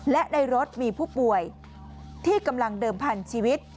และในรถมีผู้ป่วยที่กำลังเดิมพันธุ์ชีวิต